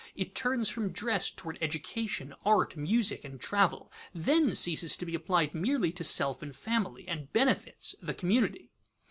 It turns from dress toward education, art, music, and travel; then ceases to be applied merely to self and family, and benefits the community.